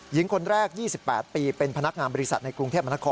หญิงคนแรก๒๘ปีเป็นพนักงานบริษัทในกรุงเทพมนคร